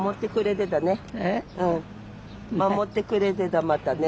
守ってくれてたまだね。